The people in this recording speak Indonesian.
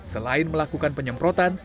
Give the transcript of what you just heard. selain melakukan penyemprotan